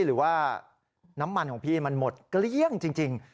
หรือว่าน้ำมันของพี่มันหมดเกลี้ยงจริง